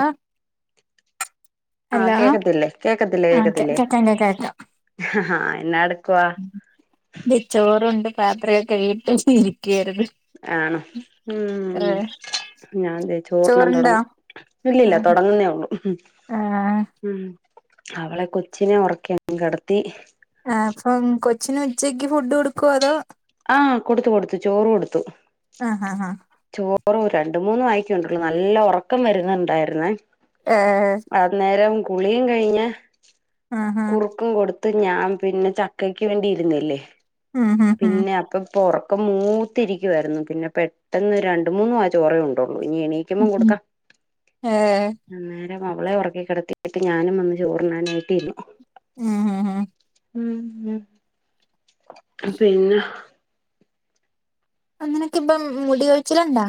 ആഹ ആഹ് കേക്കത്തില്ലേ കേക്കത്തില്ലേ ആഹ് കേക്കാം കേക്കത്തില്ലേ കേക്കാം ആഹ എന്നട ച്ചോറുണ്ട് പാത്രമൊക്കെകഴുകിയിട്ട് ഇരിയ്ക്കുവാരുന്നു ആണോ ഉ ഞാൻ ചോറുണ്ണാൻ ചോറുണ്ടോ തുടങ്ങും ഇല്ലില്ല ആഹ് തുടങ്ങുന്നേ ഉള്ളൂ ആഹ് ഉ അവളെ കൊച്ചിനെ ഉറക്കി കിടത്തി ആഹ് അപ്പം കൊച്ചിന് ഉച്ചക്ക് ഫുഡ് കൊടുക്കോ അതോ ആഹ കൊടുത്തു കൊടുത്തു ചോറ് കൊടുത്തു ആഹ് ആഹ് ആഹ് ചോ റ രണ്ട മൂന്ന് വായിക്കോണ്ടുള്ളു നല്ല ഉറക്കം വരുന്നുണ്ടായിരുന്നേ ഏഹ് അന്നേരം കുളിയും കഴിഞ്ഞു ആഹ് ആഹ് കുറുക്കും കൊടുത്ത് ഞാൻ പിന്നെ ചക്കയ്ക്ക് വേണ്ടിയിരുന്നല്ലേ ഉം ഉം ഉം പിന്നെ അപ്പൊ ഒക്കെ മൂത്തിരിക്കുമായിരുന്നു പിന്നെ പെട്ടെന്ന് രണ്ടു മൂന്നു വായ ചോറെ ഉണ്ടോള്ളൂ ഉം എണീക്കുമ്പോ ഉം കൊടുക്കാം ഏഹ് അന്നേരം അവളെ ഉറക്കി കിടത്തിട്ട് ഞാനും വന്ന് ചോറിനാനായിട്ടിരുന്നു ഉം ഹഹ് ഉ ഉ പിന്നെ അനക്കിപ്പോ മുടി ചോഴിച്ചിലുണ്ടാ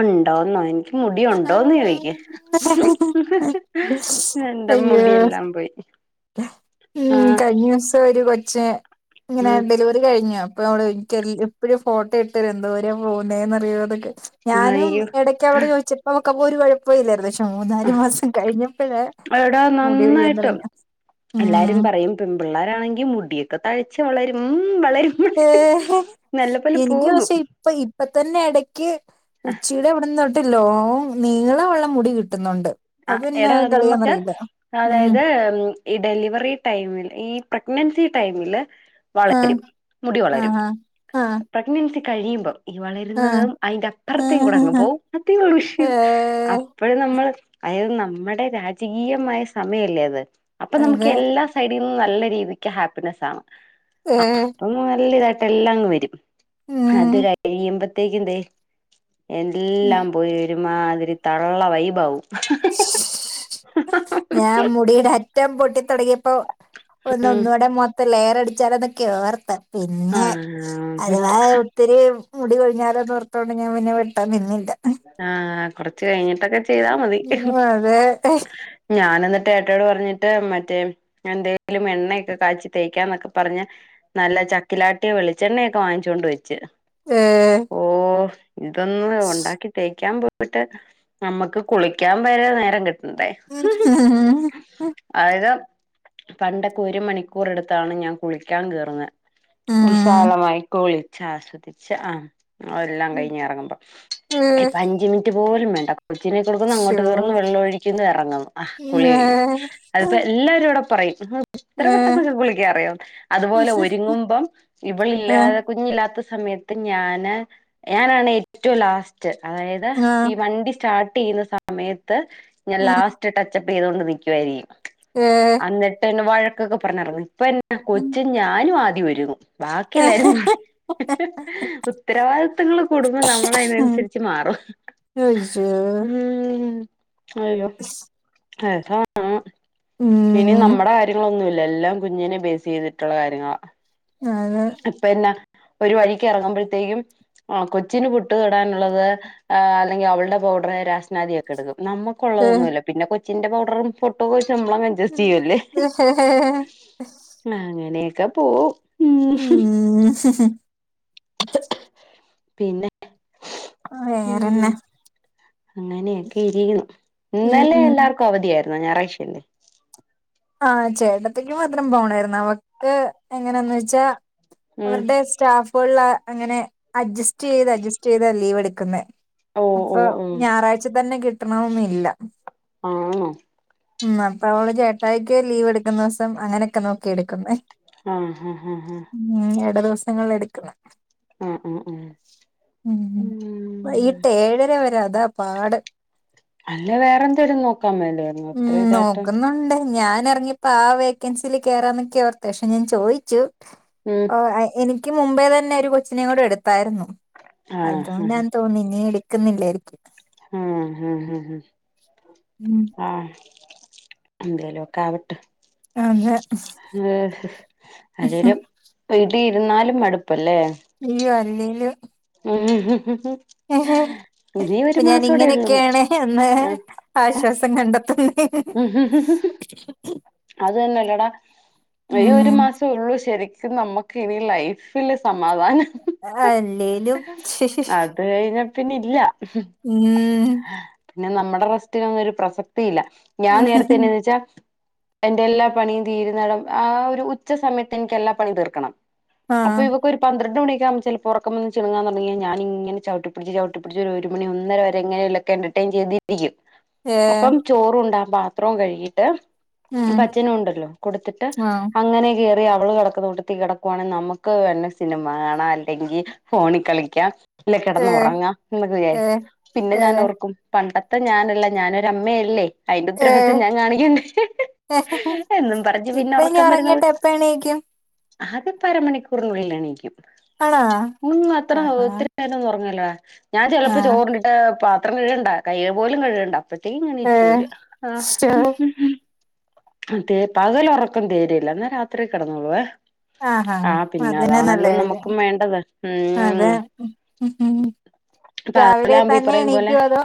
ഉണ്ടോന്നോ എ മുടി ഉണ്ടോന്ന് ചോദിക്ക എന്ത അയ്യോ മുടിയെല്ലാം പോയി ഉം ആഹ് കഴിഞ്ഞ ദിവസം ഒരു കൊച്ച ഇങ്ങനെ ഉം ഡെലിവറി കഴിഞ്ഞ അപ്പൊ അവിടെ എനിക്ക് എ എപ്പഴും ഫോട്ടോ ഇട്ടു തരും എന്തോരം പോകുന്നെ അറിയോന്നൊക്കെ ഞാനും അയ്യോ ഇടക്ക് അവിടെ ചോദിച്ചപ്പോ ക്കപ്പോ ഒരു കുഴപ്പവുമില്ലായിരുന്നു പക്ഷെ മൂന്നാല് ആഹ് മാസം കഴിഞ്ഞപ്പോഴ എടാ മുടി കൊഴിയാൻ നന്നായിട്ടും തുടങ്ങിയ എല്ലാരും പറയും പെൺപിള്ളേരാ ണെങ്കി മുടിയൊക്കെ തഴച്ച് വളരും വളരും നല്ല പോലെ എനക്ക് പോകും പക്ഷെ ഇപ്പൊ ഇപ്പ തന്നെ ഇടക്ക് ഉച്ചീടെ ഇവിടെന്ന് തൊട്ട് ലോങ് നീളവെള്ളം മുടി കിട്ടുന്നുണ്ട് ആ അത് പിന്നെ എടാ നമുക്ക് കളിയാന്നറിയില്ല ഉം അതായത് ഈ ഡെലിവറി ടൈമിൽ ഈ പ്രഗ്നൻസി ടൈമില് ആഹ് വളരും മുടി വളരും ആഹ് ആഹ് പ്രഗ്നൻസി കഴിയുമ്പം ഈ ആഹ് വളരുന്നതും അതിന്റെ അപ്പുറത്തേയും കൂടിയങ്ങു ആഹ് പോവും അധഷ ഏഹ് അപ്പം നമ്മൾ അതായത് നമ്മുടെ രാജകീയമായ സമയല്ലേ അത് അപ്പൊ നമുക്ക് അതെ എല്ലാ സൈഡിൽന്നും നല്ല ജീവിക്ക ഹാപ്പിനെസാണ് ഏഹ് അപ്പ നല്ല ഇതായിട്ട് എല്ലാമങ്ങുവരും അത് ഉം കഴിയുമ്പോത്തേക്ക ദേ എല്ലാം പോയി വരും മാതിരി തള്ള വൈബാവവും ഞാൻ മുടിയുടെ അറ്റം പൊട്ടി തുടങ്ങിയപ്പൊ ഒന്ന് ഉം ഒന്നൂടെ മൊത്ത ഇ ലെയർ അടിച്ചാലോന്നൊക്കെ ഓർത്തു പിന്നെ ആ അതുവ ഒത്തിരി മുടി കഴിഞ്ഞാലോന്നോർത്തതു കൊണ്ട് ഞാൻ വെട്ടാൻ നിന്നില്ല ആഹ കൊറച്ച കഴിഞ്ഞിട്ടൊക്കെ ചെയ്താ മതി ഉം, അതെ ഞാന എന്നിട്ട് ഏട്ടോട് പറഞ്ഞിട്ട് മറ്റേ എന്തെലും എണ്ണയൊക്കെ കാച്ചി തേക്കാ എന്നൊക്കെ പറഞ്ഞ നല്ല ചക്കിലാട്ടിയെ വെളിച്ചെണ്ണയക്കെ വാങ്ങിച്ചൊണ്ട് വെച്ച് ഏഹ് ഓ ഇതൊന്ന ഉണ്ടാക്കി ൻ പോയിട്ട് നമുക്ക് കുളിക്കാൻ വരെ നേരം കിട്ട ഉം അതാ യത് പണ്ടൊക്ക ഒരു മണിക്കൂറെടുത്താണ് ഞാൻ കുളിക്കാൻ കേയറുന്നത് വിശാലമായി കുളിച്ചാസ്വദിച്ച ആ ത എല്ലാം ഉം. കഴിഞ്ഞഞ് ഇറങ്ങുമ്പോ ഏഹ് ഇപ്പോ അഞ്ചു മിനിറ്റ് പോലും വേണ്ട കൊച്ചിനെ കൊടുക്കുന്നു ശോ അങ്ങോട്ട് കയറുന്ന് വെള്ളം ഒഴിക്കുന്നു ഇറങ്ങുന്നു ആ കുളി ഏഹ് കഴിഞ്ഞു അതിപ്പോ എല്ലാവരും ഇവിടെ പറ ഇത്ര ഏഹ് പെട്ടെന്ന്ക്ക കുളിക്കാ അറിയോ അതുപോലെ ഒരുങ്ങുമ്പം ഏഹ് ഇവളില്ലാതെ കുഞ്ഞില്ലാത്ത സമയത്ത് ഞാന് ഞാനാണ് ഏറ്റവും ലാസ്റ്റ് അതായത് ആഹ് ഈ വണ്ടി സ്റ്റാർ് ചെയ്യുന്ന സമയത്ത് ഞാൻ ഉം ലാസ്റ്റ് ടച്ചപ്പ് ചെയ്തുകൊണ്ട് നിൽക്കുവായിരിക്കും ഏഹ് എന്നിട്ട് എന്നെ വഴക്കൊക്കെ പറഞ്ഞാർന്നു, ഇപ്പോ എന്നെ ഉം കൊച്ചും ഞാനും ആദ്യം ഒരുങ്ങും ബാക്കി എല്ലാരും ഉം ഉം ഉത്തരവാദിത്തങ്ങൾ കൂടുമ്പോ നമ്മൾ അയ്ൻ അനുസരിച് തിരിച്ച്മാറും അയ്യോ ഉം അയ്യോ അതാ ഇനി ഉം നമ്മുടെ കാര്യങ്ങളൊന്നുംല്ല എല്ലാം കുഞ്ഞിനെ ബേസ് ചെയ്തിട്ടുള്ള കാര്യങ്ങളാ അതെ ഇപ്പന്നെ ഒരു വഴിക്ക് ഇറങ്ങുമ്പോഴത്തേക്കും ആ കൊച്ചിന് പുട്ട് തടാനുള്ളത് അല്ലെങ്കിൽ അവളുടെ പൗഡർ രാശനാദി ഒക്കെ എടുക്കും നമ്മുക്ക ഏഹ് ഉള്ളതൊന്നുമല്ല പിന്നെ കൊച്ചിന്റെ പൗഡറും ഫുട്ട് ശമ്പളം അജസ്റ്റ് ചെയ്യോല്ലേ അങ്ങനെയൊക്കെ പോവും ഉം ഉം പിന്നെ ആ ഉം വേറെന്നാ അങ്ങനെയൊക്കെ ഇരിക്കുന്നു ഇന്നലെ ഉം എല്ലാർക്കും അവധിയായിരുന്നു. ഞായറാഴ്ച അല്ലെ ആഹ ചേട്ടത്തിക്ക് മാത്രം പോണായിരുന്നു. അവൾക്ക് എങ്ങനെയന്ന് വെച്ചാ ഉം അവരുടെ സ്റ്റാഫോൾ അങ്ങനെ അഡ്ജസ്റ്റ് ചെയ്ത് അഡ്ജസ്റ്റ് ചെയ്താ ലീവ് എടുക്കുന്നെ ഓ ഓ അപ്പൊ ഓ ഞായറാഴ്ച തന്നെ കിട്ടണമെന്നില്ല. ആണോ ഉം അപ്പോ അവൾ ചേട്ടായിക്ക് ലീവ് എടുക്കുന്ന ദിവസം അങ്ങനെയൊക്കെ നോക്കി എടുക്കുന്നെ ആഹ ഹഹ് ഹഹ ഹഹ രണ്ട് ദിവസങ്ങളിൽ എടുക്കുന്നെ ആഹ് ആഹ് ആഹ് ഊഊ, ഉം വൈകിട്ട് ഏഴര വരെ അത് അതാ പാട് അല്ല വേറെ എന്താലും നോക്ക് ഉം നോക്കുന്നുണ്ട് ഞാൻ ഇറങ്ങിയപ്പോ ആ വേക്കൻസിൽ കേയറാന്നൊക്കെ ഓർത്ത് പക്ഷെ ഞാൻ ചോദിച്ചു. ഉം ഓ എനിക്ക് എനിക്ക് മുമ്പേ തന്നെ ഒരു കൊച്ചിനെ കൂടെ എടുത്തായിരുന്നു ആഹ് അതുകൊണ്ടാ തോന്നി ഇനി എടു ക്കുന്നില്ലായിരിക്കും ഹം ഹ ഉം, ആഹ് എന്തേലും ഒക്കെ ആവട്ടെ അതെ ഏ അല്ലേലും വീട്ടിൽ ഇരുന്നാലും മടുപ്പല്ലേ അല്ലെങ്കിൽ ആആ ഇപ്പൊ ഞാൻ ഉള്ളൂന്ന് ഇങ്ങനെയൊക്കെയാണ് എന്ന് ആശ്വാസം കണ്ടെത്തുന്നു ഹ ഹ അത് തന്നെല്ലടാ ഈ ഒരു ഉം, മാസമേ ഉള്ളൂ ശരിക്കും നമ്മുക്ക് ഇനി ലൈഫില് സമാ മാധാനം, അല്ലേലും അത് കഴിഞ്ഞാ പിന്നെ ഇല്ല ഉം, പിന്നെ നമ്മുടെ റെസ്റ്റിലൊന്നും ഒരു പ്രസക്തിയില്ല ഞാൻ നേരത്തെന്നെയന്ന് വെച്ചാ എന്റെ എല്ലാ പണിയും തീരുന്നടം ആ ഒരു ഉച്ച സമയത്ത് എനിക്ക് എല്ലാ പണിയും തീർക്കണം. ആ അപ്പൊ ഇവൊക്ക ഒരു പന്ത്രണ്ട് മണി യാവുമ്പോ ചിലപ്പോ ഉറക്കം വന്നാ ചുങ്ങാന് തുടങ്ങുമ്പോ ചവിട്ടി പിടിച്ച് ചവിട്ടി പിടിച്ച് ഒരു മണി ഒന്നര വരെങ്ങെ എങ്ങനെലുംക്കൊരു ചെയ്തിപ്പിക്കും, ഏ അപ്പം ചോറണ്ടാ പാത്രം കഴുകിട്ട് ഉം, ഒപ്പാച്ചനും ഉണ്ടല്ലോ കൊടുത്തിട്ട് ആ അങ്ങനെ കേറിയ ഓൾ കിടക്കുന്ന കൂട്ടത്തിൽ കിടക്കുവാണെങ്കിൽ നമുക്ക് വെല്ല സിനിമ കാണാം അല്ലെങ്കിൽ ഫോണിൽ കളിക്കാം ഇല്ല കിടന്ന് ഏ ഉറങ്ങാ എന്നൊക്കെ ഏ വിചാരിക്കും, പിന്നെ ഏ ഞാനോർക്കും പണ്ട- ത്ത ഞാനല്ല ഞാനൊ ഒരുരമ്മയല്ലേ അയിന്റെ ഉത്തരവാദിത്തം ഞാൻ കാണിക്കണ്ടേ ഏ എന്നും പറഞ്ഞ് പിന്നെ ഇപ്പൊ ഇനി ഉറക്കം വരുന്ന ഉറങ്ങിട്ട് എപ്പ എണീക്കും അതിപ്പോ അരമണിക്കൂറിനുള്ളിൽ എണിക്കും ആണോ ഓനൊന്നും അത്ര ആഹാ ഒത്തിരി നേരവൊന്നും ഉറങ്ങുവേല ഞാൻ ചെലപ്പോ ആഹ് ചോറിണ്ടട്ട് പാത്രം കഴകണ്ട കയ്യ് പോലും കഴുകണ്ട അപ്പത്തേക്ക് ഇങ്ങ് എണീറ്റ് ഏഹ് പോരുക ആ ശോ അതേ പകല് ഉറക്കം തീരെയില്ല എന്നാ രാത്രി കിടന്നോളുവേ ആഹാ ആ പിന്നെ അതന്നെ നല്ല അതാണല്ലോ കാര്യം നമുക്കും വേണ്ടത് ഉം അതെ ഉം അപ്പൊ രാവിലെ അതെല്ലാം പോയി തന്നെ പറയും പോലെ എണീക്കോ അതോ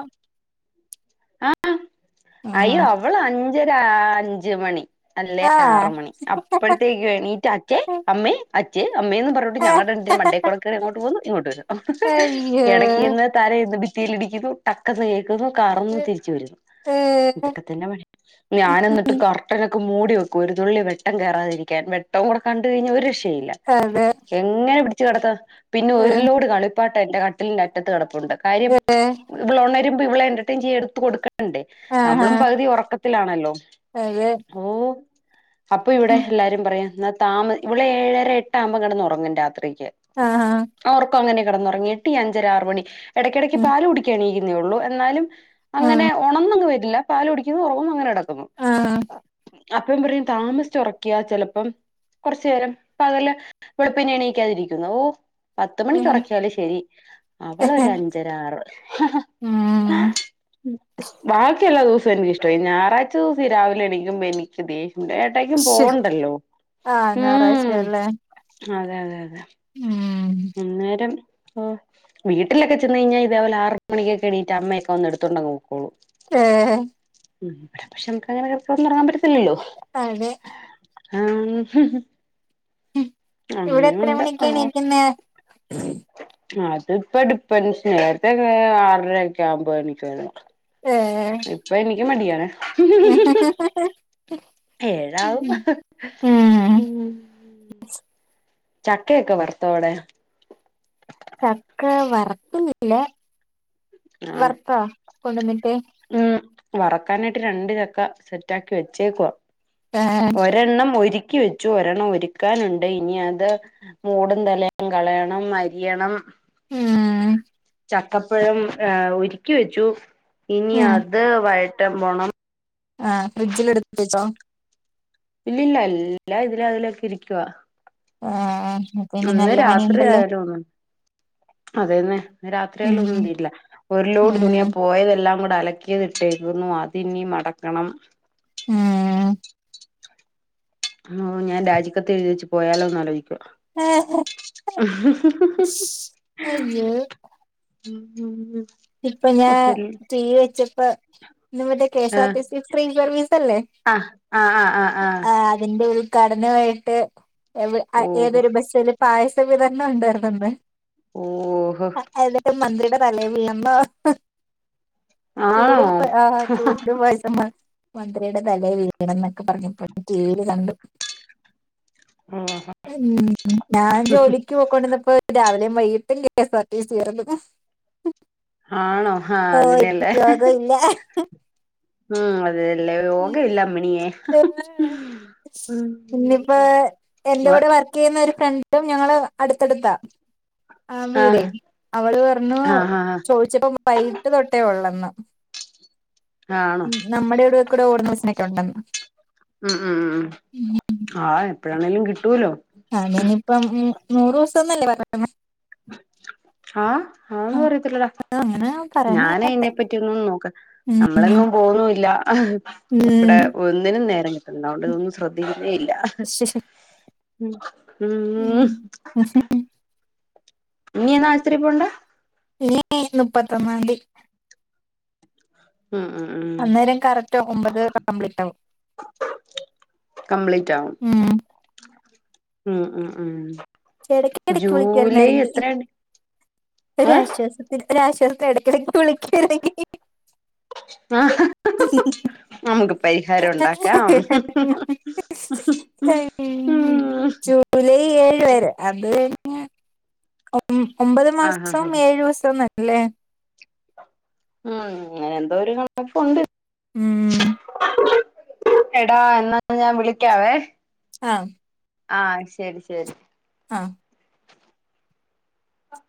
ആ ആഹ് അയ്യോ അവള് അഞ്ചര അഞ്ച് മണി അല്ലേ ആറ് മണി അപ്പഴത്തേക്ക് എണീറ്റ് അച്ചേ അമ്മേ അച്ചേ അമ്മേന്ന് പറഞ്ഞോട്ട് ആഹ് ഞങ്ങളുടെ അടു മണ്ടേക്കൂടൊക്കെ അങ്ങോട്ട് പോകുന്നു ഇങ്ങോട്ട് വരും അയ്യോ ഇടക്ക് ചെന്ന് തല ചെന്ന് ഭിത്തിയിൽ ഇടിക്കുന്നു ടക്കന്ന് കേ കാറുന്നു തിരിച്ചുവരുന്നു ഏഹ് ഇതൊക്കെ തന്നെ പണി ഞൻ എന്നിട്ട് കർട്ടനൊക്കെ മൂടി വെക്കും ഒരു തുള്ളി വെട്ടം കേറാതിരിക്കാൻ വെട്ടം കൂടെ കണ്ട് കഴിഞ്ഞാൽ ഒരു രെ ഇല്ല അതെ എങ്ങനെ പിടിച്ച് കിടത്താൻ പിന്നെ ഒരുലോട് കളിപ്പാട്ടം എന്റെ കട്ടിലിന്റെ അറ്റത്ത് കിട ഉണ്ട് കാര്യം ഇവൾ ഉണരുമ്പോ ഇവള് എന്റർടൈം ചെയ്യാൻ എടുത്ത് കൊടുക്കാ ണ്ടേ നമ്മളും പകുതി ഉറക്കത്തിലാണല്ലോ അതേ ഓ അപ്പൊ ഇവിടെ എല്ലാരും പറയും എന്ന താമ ഇവിടെ ഏഴര എട്ട് ആവുമ്പോ കിടന്നുറങ്ങും രാത്രി ആഹാ ഉറക്കം അങ്ങനെ കിടന്നുറങ്ങി എട്ടി അഞ്ചര ആറ് മണി ഇടയ്ക്കിടക്ക് പാല് കുടിക്കാൻ എണീക്കും ള്ളൂ എന്നാലും അങ്ങനെ ആഹ് ഉണർന്ന്‌ പോയിട്ടില്ല പാല് കുടിക്കുന്നു ഉറങ്ങുന്നു അങ്ങനെ കിടക്കുന്നു ആഹ് അപ്പം പറയും താമസിച്ച് ഉറക്കിയാ ചെലപ്പം കുറച്ചു നേരം പകല് വെളുപ്പിനെ എണീക്കാതിരിക്കുന്നു ഓ പത്തു മണിക്ക് ഉറക്കിയാലും ശെരി അവളൊര് അഞ്ചര ആറ് ഉം ബാക്കിയെല്ലാ ദിവ ഇപ്പോ എനിക്ക് ഇഷ്ടമായി ഞായറാഴ്ച്ച ദിവസം രാവിലെ എണിക്കുമ്പോ എനിക്ക് ദേ ഏട്ടായിക്കും ശോ പോകണ്ടല്ലോ ആഹ് ഉം ഞായറാഴ്ചയല്ലേ അതെ അതെ അതെ ഉം അന്നേരം വീട്ടിലൊക്കെ ചെന്ന് കഴിഞ്ഞാൽ ഇതേ പോലെ ആറ് മണിക്ക് ഒക്കെ എണീറ്റ് അമ്മയൊക്കെ വന്ന് എടുത്തോണ്ട് അങ്ങ് പൊക്കോളും ആഹ് ഉം ഇവിടെ പക്ഷെ നമക്ക് അങ്ങനെ കിടന്നുറങ്ങാൻ പറ്റത്തില്ലല്ലോ അതെ ആ ഇവിടെ അങ്ങന എത്ര ഉണ്ട് മണിക്കാ ആ എണീക്കുന്നെ അതിപ്പോ [unintelligible] നേരത്തെയൊക്കെ ആറര ഒക്കെ ആവുമ്പോ എണീക്കുവാരുന്നു ഏഹ് ഇപ്പൊ എനിക്ക് മടിയാ [inaudible] ഏഴാവും ഉം ചക്കയൊക്കെ വറുത്തോവിടെ ചക്ക വറുക്കുന്നില്ല ആഹ് വറുത്താ കൊണ്ടുവന്നി ഉം വറക്കാനായിട്ട് രണ്ട് ചക്ക സെറ്റാക്കി വെച്ചേക്കുവാ ആഹ് ഒരെണ്ണം ഒരി ക്കി വെച്ചു വരണം ഒരുക്കാനുണ്ട് ഇനി അത് മൂടും തലയും കളയണം അരിയണം ഉം ചക്കപ്പഴം ഏഹ് ഒരുക്കി വെച്ചു ഇനി അത് വയറ്റം പോണം ആ ഫ്രിഡ്ജിൽ എടുത്ത് വച്ചോ ഇല്ലില്ല എല്ലാം ഇതിലെ അതിലെയൊക്കെ ഇരിക്കുവാ ആഹ് അപ്പൊ ഇനി ഒന്ന് നല്ല രാത്രി പണിയുണ്ടല്ലോ ആയാലോന്ന് അതേന്നെ ഇന്ന് രാത്രിയായാലും ഉം ഒന്നും തീരില്ല ഒരു ലോട് ഉം തുണി ആ പോയതെല്ലാം അലക്കിയതിട്ടേക്കുന്നു അതിനി മടക്കണം ഉം ഞാൻ രാജിക്കത്ത് എഴുതിവെച്ച് പോയാലോന്ന് ആലോചിക്കു [inaudible] അയ്യോ ഉം ഉം ഇപ്പൊ ഞാൻ ടി വി വെച്ചപ്പ ഇന്ന് മുതൽ KS R T C free service അല്ലേ ആഹ് ആഹ് ആഹ് ആഹ് ആഹ് ആഹ് ആ അതിന്റെ ഉദ്ഘാടനമായിട്ട് ഓഹോ ഏതൊരു ബസ്സിൽ പായസ വിതരണം ഉണ്ടായിരുന്നുന്ന് ഓഹ് തലേ വീണന്നോ ആണോ ചൂട് ആ ചൂട് പായസമ്മ മന്ത്രിയുടെ തലയെ വീണന്നൊക്കെ പറഞ്ഞിപ്പോൾ ടിവിയിൽ കണ്ടു ഓഹോ ഉം ഞാൻ ജോലിക്ക് പോയിക്കൊണ്ടിന്നപ്പോ രാവിലെയും വൈകിട്ടും K S R T C വരല് ആണോ ആഹ് ഓ ഇപ്പ അതിലല്ലേ യോഗം ഇല്ല ഉം അതെല്ലേ യോഗം ഇല്ല അമ്മണിയെ പിന്നയിപ്പോ എന്റെ ആഹ് കൂടെ വർക്ക് ചെയ്യുന്ന ഒരു ഫ്രണ്ടും ഞങ്ങള് അടുത്തടുത്താ ആ വീടെ ആഹ് അവള് പറഞ്ഞു ആഹ് ആഹ് ചോദിച്ചപ്പോ വൈകിട്ട് തൊട്ടേ ഉള്ളന്ന് ആണോ നമ്മുടെ ഇവിടെയക്കൂടെ ഓടുന്ന ബസിനൊക്കെ ഉണ്ടെന്ന് ഉം ഉം ഉം ആ എപ്പോഴാണേങ്കലും കിട്ടൂല്ലോ അങ്ങനാണേ ഇപ്പം നൂറ് ദിവസംന്നല്ലേ പറഞ്ഞേക്കുന്ന ആഹ് ആ ഒന്നും അറിയത്തില്ലടാ അങ്ങനെ പറഞ്ഞ ഞാന് കേട്ടെ അയിനെ പറ്റിയൊന്നു നോക്ക്‌ ഉം നമ്മളെങ്ങും പോന്നുമില്ല ഇവിടെ ഉം ഒന്നിനും നേരം കിട്ടുന്നില്ല അതൊണ്ട് ഇതൊന്നും ശ്രദ്ധിക്കുന്നേ ഇല്ല [inaudible] ഉം ഉം ഹ് ഇനിയെന്നാ ആശുത്രി പോണ്ടേ ഇനി മുപ്പത്തൊന്നാംതി ഉം ഉം ഉം അന്നേരം കറക്റ്റ് ഒമ്പത് കംപ്ലീറ്റാകും കംപ്ലീറ്റ് ആകും ഉം ഉം ഉം പക്ഷെ ഇടയ്ക്ക് ഇടയ്ക്ക് ജൂലൈ എത്രണ്ട് ഒരാശ്വാസത്തിന് ഒരാശ്വാസത്തി ഇടക്കിടക്ക് വിളിക്കല്ലെങ്കി ആഹാ ഹ് ഹ് നമുക്ക് പരിഹാരം ഉണ്ടാക്കാം ഹ് ഹ് ഹ് മ് ഹ് ജൂലൈ ഏഴ് വരെ അത് കഴിഞ്ഞ് ഒമ്പത് ആഹ് ആഹ് മാസം ആഹ് ഏഴു ദോസവും ല്ലേ ഉം അങ്ങനെ എന്തോ ഒരു കണക്കുണ്ട് ഉം എടാ എന്നാ ഞാൻ വിളിക്കാവേ ആഹ് ആഹ ശെരി ശെരി ആഹ് ആ [unintelligible]